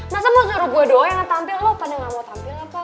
masa mau suruh gue doang ngetampil lo pada nggak mau tampil apa